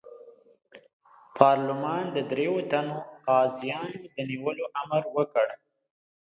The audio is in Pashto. پارلمان د دریوو تنو قاضیانو د نیولو امر وکړ.